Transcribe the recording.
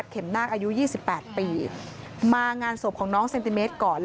ก็มางานศพของน้องเซนติเมล์